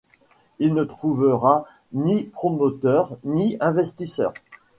Il ne trouvera ni promoteurs ni investisseurs.